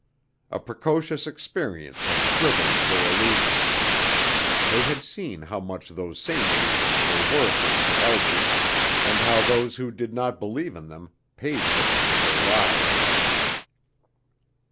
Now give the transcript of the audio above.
A precocious experience had shriveled their illusions: they had seen how much those same illusions were worth in their elders and how those who did not believe in them paid for them with their lives.